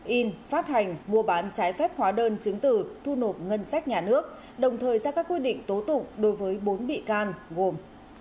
in phát hành mua bán trái phép hóa đơn chứng tử thu nộp ngân sách nhà nước đồng thời ra các quyết định tố tụng đối với bốn bị can gồm